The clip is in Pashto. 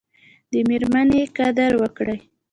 د میرمني قدر وکړئ